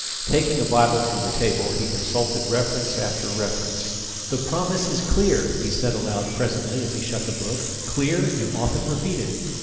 Taking a Bible from the table, he consulted reference after reference. "The promise is clear," he said aloud presently, as he shut the book; "clear and often repeated.